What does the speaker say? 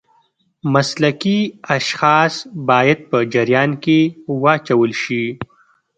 مسلکي اشخاص باید په جریان کې واچول شي.